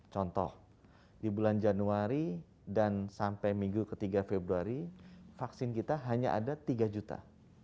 contoh di bulan januari dan sampai minggu ketiga februari vaksin kita hanya ada tiga juta